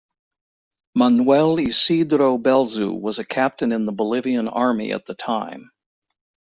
Manuel Isidro Belzu was a captain in the Bolivian Army at the time.